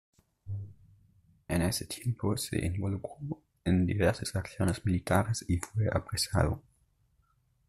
En ese tiempo se involucró en diversas acciones militares y fue apresado.